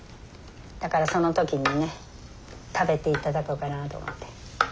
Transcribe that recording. だからその時にね食べて頂こうかなと思って。